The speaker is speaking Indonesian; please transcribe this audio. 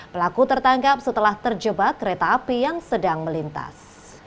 pelaku tertangkap setelah terjebak kereta api yang sedang melintas